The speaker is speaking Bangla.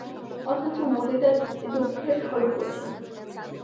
অথচ মতি তার এ দুঃখের স্বরূপ বোঝে না।